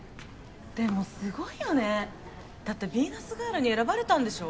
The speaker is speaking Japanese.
でもすごいよねだってヴィーナスガールに選ばれたんでしょ？